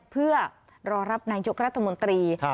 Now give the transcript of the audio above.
เพื่อรอรับนายกรัฐมนตรี